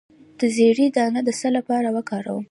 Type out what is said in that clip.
د زیرې دانه د څه لپاره وکاروم؟